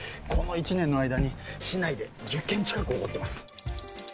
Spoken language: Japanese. この一年の間に市内で１０件近く起こってます